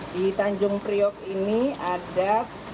di tanjung priok ini ada